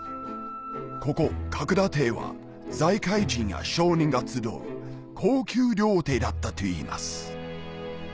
ここ角田邸は財界人や商人が集う高級料亭だったといいます